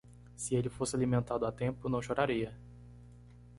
Se ele fosse alimentado a tempo, não choraria.